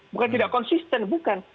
bukan tidak konsisten bukan